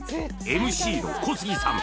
ＭＣの小杉さん